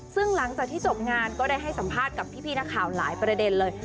ซึ่งหลังจากที่จบงานก็ได้ให้สัมภาษณ์กับพี่นักข่าวหลายประเด็นเลย